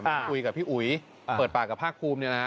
คุยกับพี่อุ๋ยเปิดปากกับภาคภูมิเนี่ยนะ